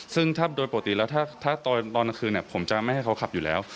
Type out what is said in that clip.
ซึ่งถ้าโดยปกติแล้วถ้าตอนกลางคืนผมจะไม่ให้เขาขับอยู่แล้ว